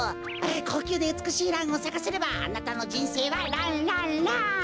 こうきゅうでうつくしいランをさかせればあなたのじんせいはランランラン！